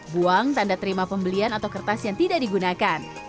buang tanda terima pembelian atau kertas yang tidak digunakan